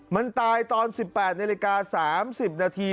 มันตายตอน๑๘นาฬิกา๓๐นาที